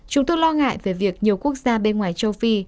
chúng tôi lo ngại về việc nhiều quốc gia bên ngoài châu phi